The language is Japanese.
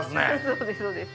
そうですそうです。